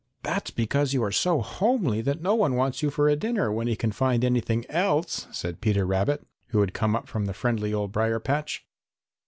"That's because you are so homely that no one wants you for a dinner when he can find anything else," said Peter Rabbit, who had come up from the friendly old brier patch.